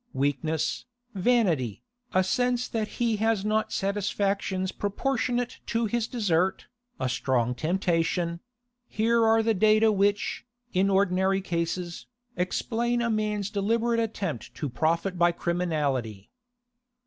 Weakness, vanity, a sense that he has not satisfactions proportionate to his desert, a strong temptation—here are the data which, in ordinary cases, explain a man's deliberate attempt to profit by criminality.